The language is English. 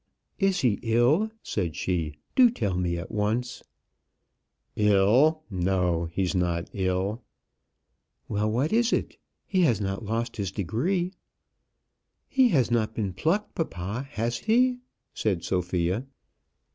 "Is he ill?" said she; "do tell me at once." "Ill! no; he's not ill." "Well, what is it? He has not lost his degree?" "He has not been plucked, papa, has he?" said Sophia.